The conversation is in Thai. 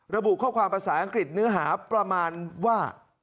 ระบุข้อความภาษาอังกฤษเนื้อหาประมาณว่า